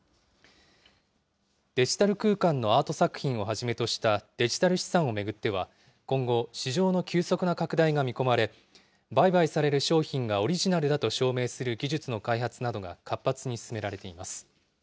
デジタル空間のアート作品をはじめとしたデジタル資産を巡っては、今後、市場の急速な拡大が見込まれ、売買される商品がオリジナルだと証明する技術の開発などが活発に進められています。